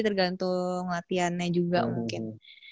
tergantung latihannya juga mungkin